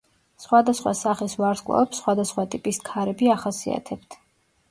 სხვადასხვა სახის ვარსკვლავებს სხვადასხვა ტიპის ქარები ახასიათებთ.